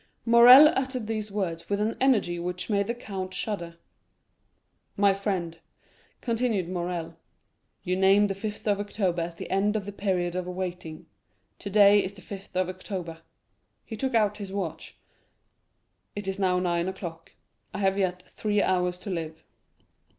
Morrel uttered these words with an energy which made the count shudder. "My friend," continued Morrel, "you named the fifth of October as the end of the period of waiting,—today is the fifth of October," he took out his watch, "it is now nine o'clock,—I have yet three hours to live."